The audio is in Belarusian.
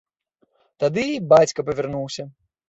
Тады і бацька павярнуўся.